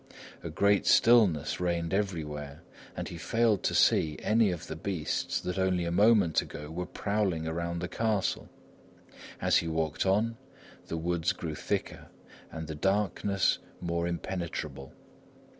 A great stillness reigned everywhere, and he failed to see any of the beasts that only a moment ago were prowling around the castle. As he walked on, the woods grew thicker, and the darkness more impenetrable.